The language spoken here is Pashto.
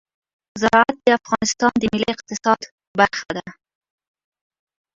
زراعت د افغانستان د ملي اقتصاد برخه ده.